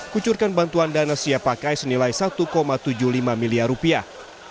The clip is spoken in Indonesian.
kucurkan bantuan dana siap pakai senilai satu tujuh puluh lima miliar rupiah